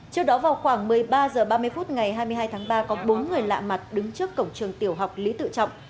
trước đó vào khoảng một mươi ba h ba mươi phút ngày hai mươi hai tháng ba có bốn người lạ mặt đứng trước cổng trường tiểu học lý tự trọng